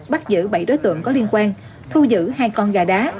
bắt giữ bảy đối tượng có liên quan thu giữ hai con gà đá